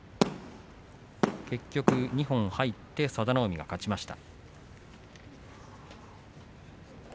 結局二本入って佐田の海の勝ちでした。